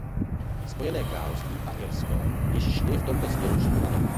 Spojené království a Irsko již šli v tomto směru příkladem.